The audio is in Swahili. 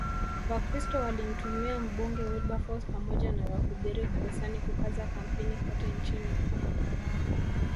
Wakristo walimtumia Mbunge Wilberforce pamoja na wahubiri kanisani kukaza kampeni kote nchini